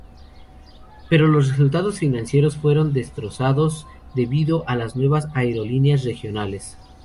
Pero los resultados financieros fueron desastrosos debido a las nuevas aerolíneas regionales.